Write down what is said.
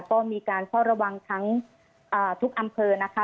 ก็มีการเฝ้าระวังทั้งทุกอำเภอนะคะ